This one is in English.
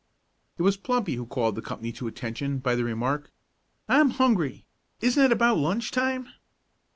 It was Plumpy who called the company to attention by the remark, "I'm hungry. Isn't it about lunch time?"